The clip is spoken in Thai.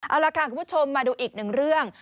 เอาล่ะค่ะคุณผู้ชมมาดูอีกหนึ่งเรื่อง